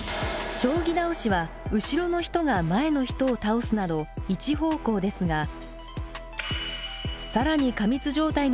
将棋倒しは後ろの人が前の人を倒すなど一方向ですが更に過密状態の時に起きる群集